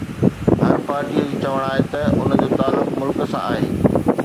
هر پارٽيءَ جو چوڻ آهي ته ان جو تعلق ملڪ سان آهي